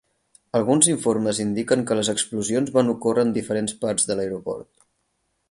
Alguns informes indiquen que les explosions van ocórrer en diferents parts de l'aeroport.